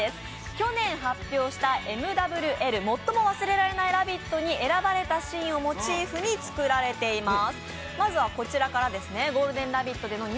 去年発表されたＭＷＬ、「最も忘れられないラヴィット！」に選ばれたシーンをモチーフに作られています。